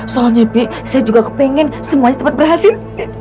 soalnya bi saya juga pengen semuanya sempat berhasil